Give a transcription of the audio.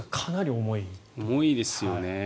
重いですよね。